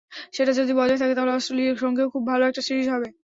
সেটা যদি বজায় থাকে, তাহলে অস্ট্রেলিয়ার সঙ্গেও খুবই ভালো একটি সিরিজ হবে।